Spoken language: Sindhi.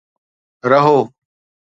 رهو